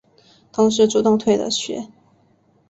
同时主动退了学。